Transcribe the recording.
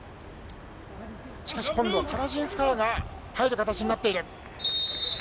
しかし、今度はカラジンスカヤが入る形になっている。